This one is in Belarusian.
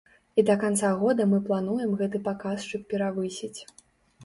І да канца года мы плануем гэты паказчык перавысіць.